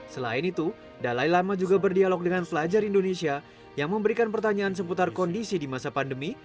selain itu dalai lama juga berdialog dengan pelajar indonesia yang memberikan pertanyaan seputar kondisi di masa pandemi